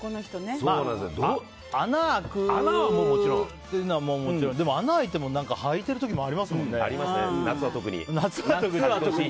穴が開くのは、もちろんだけどでも穴が開いてもはいてる時もありますもんね。